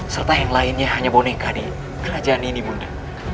serta yang lainnya hanya boneka nih kerajaan ini bunda